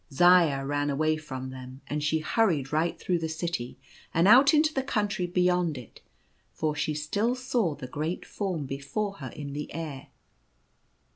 Zaya ran away from them; and she hurried right through the city, and out into the country beyond it, for she still saw the great Form before her in the air.